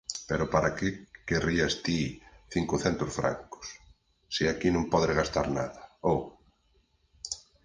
Pero para que querías ti cincocentos francos, se aquí non podes gastar nada, ou?